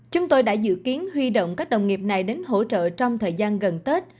chúng tôi đã dự kiến huy động các đồng nghiệp này đến hỗ trợ trong thời gian gần tết